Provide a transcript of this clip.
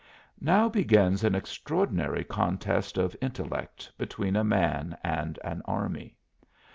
Now begins an extraordinary contest of intellect between a man and an army.